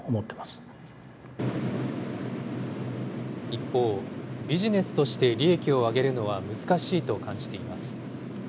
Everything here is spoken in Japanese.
一方、ビジネスとして利益を上げるのは難しいと感じています。